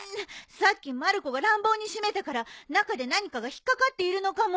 さっきまる子が乱暴に閉めたから中で何かが引っ掛かっているのかも。